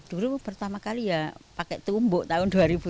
dulu pertama kali ya pakai tumbuk tahun dua ribu sepuluh